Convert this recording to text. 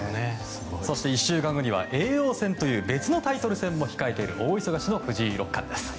そして１週間後には叡王戦という別のタイトルも控えている大忙しの藤井六冠です。